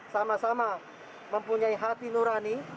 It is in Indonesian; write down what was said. sama sama mempunyai hati nurani